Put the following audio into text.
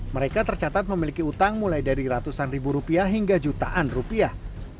mereka tercatat memiliki utang mulai dari ratusan ribu rupiah hingga jutaan rupiah